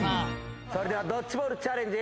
それではドッジボールチャレンジ。